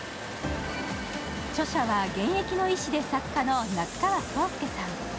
著者は現役の医師で作家の夏川草介さん。